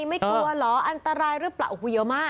ไม่กลัวเหรออันตรายหรือเปล่าโอ้โหเยอะมาก